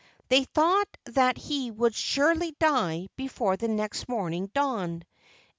They thought that he would surely die before the next morning dawned.